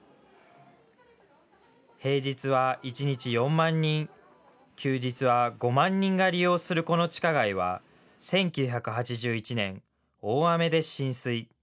平日は一日４万人、休日は５万人が利用するこの地下街は１９８１年、大雨で浸水。